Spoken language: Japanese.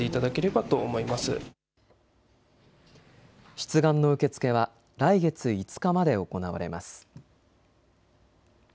出願の受け付けは来月５日まで行われます。